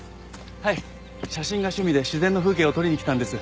はい写真が趣味で自然の風景を撮りに来たんです。